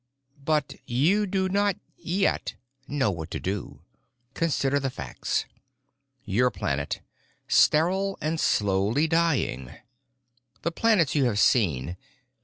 But you do not—yet—know that you do. Consider the facts: "Your planet. Sterile and slowly dying. "The planets you have seen.